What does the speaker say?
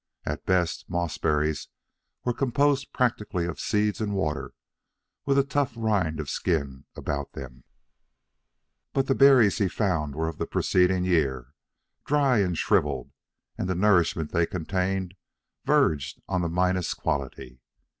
At the best, mossberries were composed practically of seeds and water, with a tough rind of skin about them; but the berries he found were of the preceding year, dry and shrivelled, and the nourishment they contained verged on the minus quality.